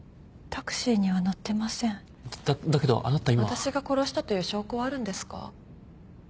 私が殺したという証拠はあるんですか？